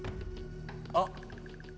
あっ！